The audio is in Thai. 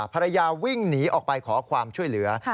ภรรยาวิ่งหนีออกไปขอความช่วยเหลือ